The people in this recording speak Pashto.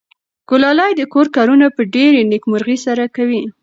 ګلالۍ د کور کارونه په ډېرې نېکمرغۍ سره کوي.